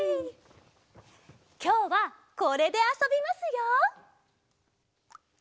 きょうはこれであそびますよ。